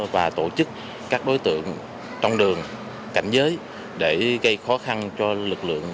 và tổ chức các đối tượng trong đường cảnh giới để gây khó khăn cho lực lượng